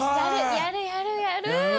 やるやるやる。